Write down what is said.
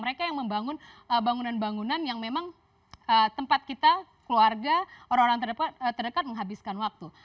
mereka yang membangun bangunan bangunan yang memang tempat kita keluarga orang orang terdekat menghabiskan waktu